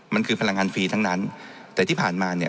มันคือพลังงานฟรีทั้งนั้นแต่ที่ผ่านมาเนี่ย